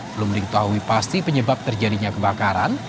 belum ring tahu pasti penyebab terjadinya kebakaran